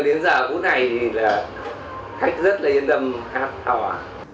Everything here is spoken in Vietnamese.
từ đến giờ cuối này thì là khách rất là yên tâm khát hòa